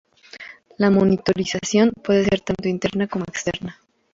La monitorización puede ser tanto interna como externa.